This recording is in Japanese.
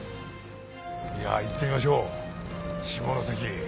いや行ってみましょう下関。